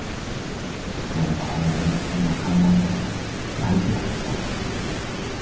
俺は親父のそんな考え方が大嫌いだった。